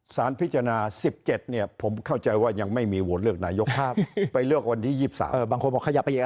๑๖ศาลพิจารณา๑๗ผมเข้าใจว่ายังไม่มีวัวเลือกหนายก